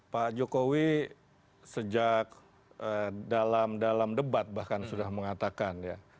pak jokowi sejak dalam debat bahkan sudah mengatakan ya